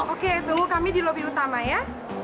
oke itu kami di lobi utama ya